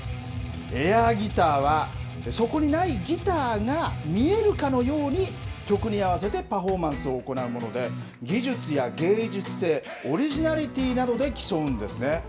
エアギターはそこにないギターが、見えるかのように曲に合わせてパフォーマンスを行うもので、技術や芸術性、オリジナリティーなどで競うんですね。